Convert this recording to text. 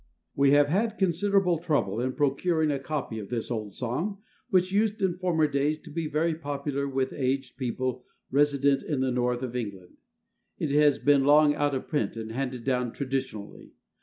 [WE have had considerable trouble in procuring a copy of this old song, which used, in former days, to be very popular with aged people resident in the North of England. It has been long out of print, and handed down traditionally.